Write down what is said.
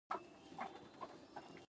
おひょひょひょひょひょひょ